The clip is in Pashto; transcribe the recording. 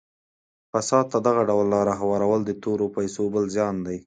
فساد ته دغه ډول لاره هوارول د تورو پیسو بل زیان دی.